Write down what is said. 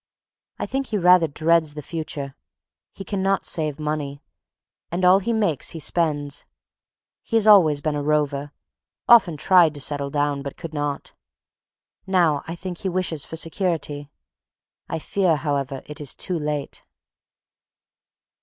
I think he rather dreads the future. He cannot save money, and all he makes he spends. He has always been a rover, often tried to settle down but could not. Now I think he wishes for security. I fear, however, it is too late.